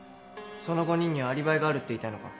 その５人にはアリバイがあるって言いたいのか？